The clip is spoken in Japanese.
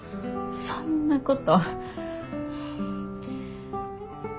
そんなこと。